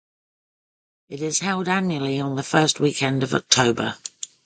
It is held annually on the first weekend of October.